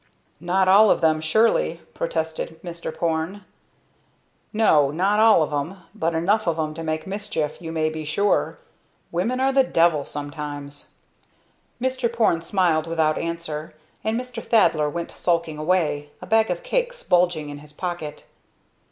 "Not all of them, surely," protested Mr. Porne. "No, not all of 'em, but enough of 'em to make mischief, you may be sure. Women are the devil, sometimes." Mr. Porne smiled without answer, and Mr. Thaddler went sulking away a bag of cakes bulging in his pocket.